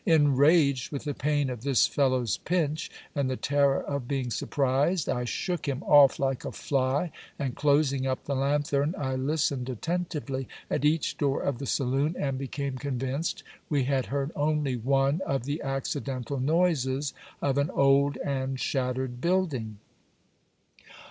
Enraged with the pain of this fellow's pinch, and the terror of being surprised, I shook him off like a fly; and, closing up the lanthern, I listened attentively at each door of the saloon, and became convinced we had heard only one of the accidental noises of an old and shattered building.